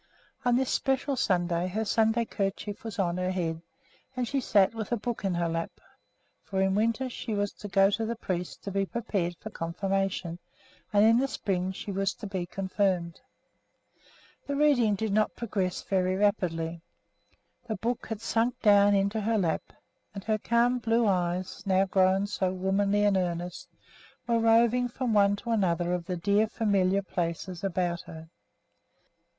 On this special Sunday her Sunday kerchief was on her head, and she sat with a book in her lap; for in the winter she was to go to the priest to be prepared for confirmation and in the spring she was to be confirmed. The reading did not progress very rapidly. The book had sunk down into her lap, and her calm blue eyes, now grown so womanly and earnest, were roving from one to another of the dear familiar places about her.